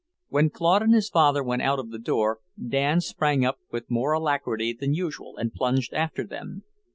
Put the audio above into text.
When Claude and his father went out of the door, Dan sprang up with more alacrity than usual and plunged after them.